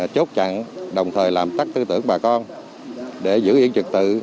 chốt chặn đồng thời làm tắt tư tưởng bà con để giữ yên trực tự